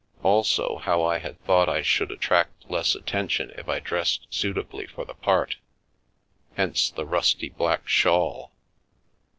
Also how I had thought I should attract less attention if I dressed suitably for the part, hence the rusty black shawl.